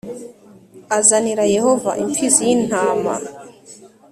azanire Yehova imfizi y intama